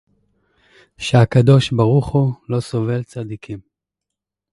שהקדוש-ברוך-הוא לא סובל צדיקים